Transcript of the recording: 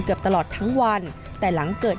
เกือบตลอดทั้งวันแต่หลังเกิด